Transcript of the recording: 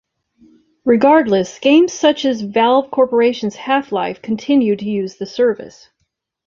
Regardless, games such as Valve Corporation's "Half-Life" continued to use the service.